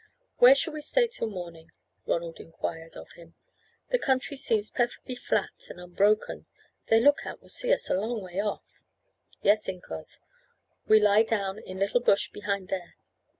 "Where shall we stay till morning?" Ronald inquired of him; "the country seems perfectly flat and unbroken, their look out will see us a long way off." "Yes, incos, we lie down in little bush behind there.